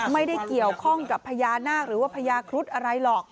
ไม่ได้เกี่ยวข้องกับพญานาคหรือว่าพญาครุฑอะไรหรอก